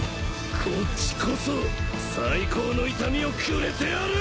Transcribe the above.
こっちこそ最高の痛みをくれてやる！